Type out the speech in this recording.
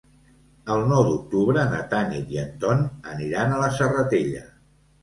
El nou d'octubre na Tanit i en Ton aniran a la Serratella.